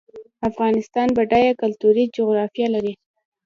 افغانستان بډایه کلتوري جغرافیه لري